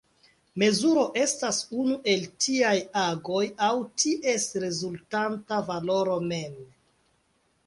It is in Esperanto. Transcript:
Mezuro estas unu el tiaj agoj aŭ ties rezultanta valoro mem.